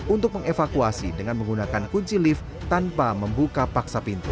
untuk mengevakuasi dengan menggunakan kunci lift tanpa membuka paksa pintu